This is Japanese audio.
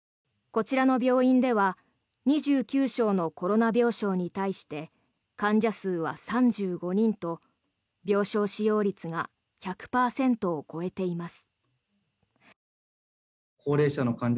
こちらの病院では２９床のコロナ病床に対して患者数は３５人と病床使用率が１００％を超えています。